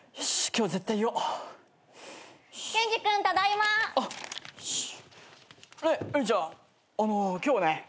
今日はね